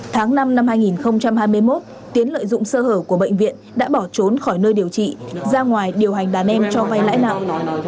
tháng năm năm hai nghìn hai mươi một tiến lợi dụng sơ hở của bệnh viện đã bỏ trốn khỏi nơi điều trị ra ngoài điều hành đàn em cho vay lãi nặng